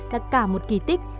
đã cả một kỳ tích